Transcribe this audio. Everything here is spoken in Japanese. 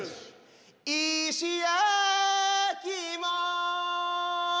石焼き芋。